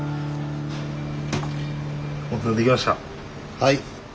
はい。